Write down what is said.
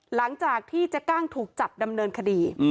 หลังจากที่เจ๊กั้งถูกจับดำเนินคดี